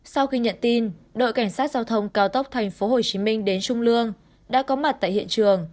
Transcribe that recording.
sau khi nhận tin đội cảnh sát giao thông cao tốc tp hcm đến trung lương đã có mặt tại hiện trường